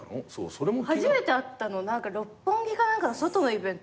初めて会ったの六本木か何かの外のイベント。